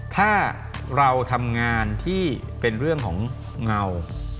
ถ้าเราทำงานที่เป็นเรื่องของเงา